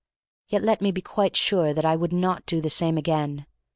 Yet let me be quite sure that I would not do the same again.